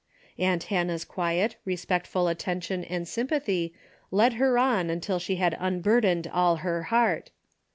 Aunt Hannah's quiet, respectful attention and sympathy led her on until she had unburdened all her heart.